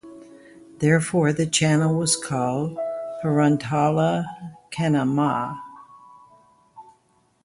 Therefore, the channel was called Perantala Kanama.